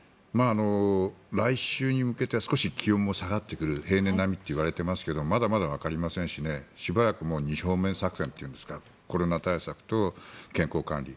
来週に向けて少し気温も下がってくる平年並みといわれていますがまだまだわかりませんしねしばらく二正面作戦というんですかコロナ対策と健康管理。